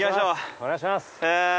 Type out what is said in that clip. お願いします。